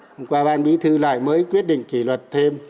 hôm qua ban bí thư lại mới quyết định kỷ luật thêm